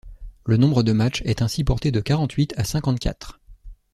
Le nombre de match est ainsi porté de quarante-huit à cinquante-quatre.